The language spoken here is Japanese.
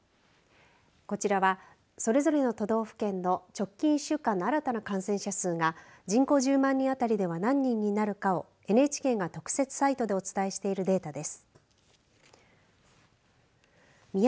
こちらは、それぞれの都道府県の直近１週間の新たな感染者数が人口１０万人当たりでは何人になるかをＮＨＫが特設サイトでお伝えしているデータです。